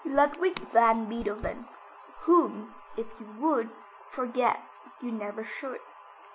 Ludwig van Beethoven Whom if you would Forget, you never should.